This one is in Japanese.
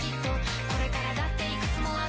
「これからだっていくつもあって」